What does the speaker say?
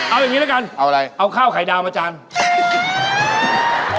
เอาอย่างนี้ละกันเอาข้าวไข่ดาวมาจานเอาอะไร